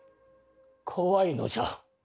怖いのじゃ。